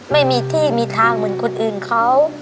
ไม่มีที่มีทางเหมือนคนอื่นเขา